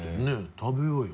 「食べようよ」